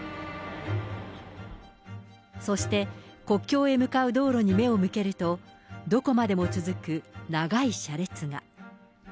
そして、国境へ向かう道路に目を向けると、どこまでも続く長い車列が。